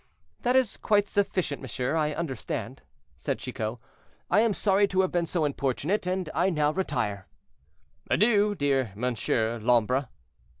"That is quite sufficient, monsieur, I understand," said Chicot; "I am sorry to have been so importunate, and I now retire."—"Adieu, dear Monsieur l'Ombre."